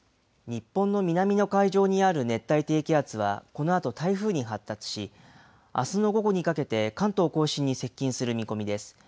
日本の南の海上にある熱帯低気圧は、このあと台風に発達し、あすの午後にかけて関東甲信に接近する見込みです。